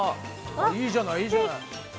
いいじゃないいいじゃない！